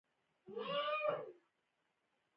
ادب د ژبې ښکلا ده